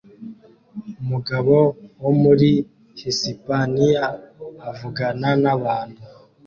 Umugabo wo muri Hisipaniya avugana nabantu